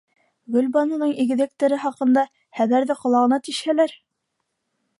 Гөлбаныуҙың игеҙәктәре хаҡында хәбәрҙе ҡолағына тишһәләр?..